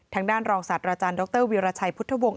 ทางด้านรองศาสตราจารย์ดรวีรชัยพุทธวงศ์